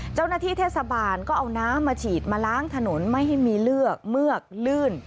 เจ้าหน้าที่เทศบาลก็เอาน้ำมาฉีดมาล้างถนนไม่ให้มีเลือกเมือกลื่น